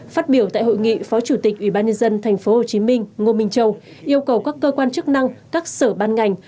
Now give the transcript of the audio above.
phát biểu tại hội nghị phó chủ tịch ubnd tp hcm ngô minh châu yêu cầu các cơ quan chức năng các sở ban ngành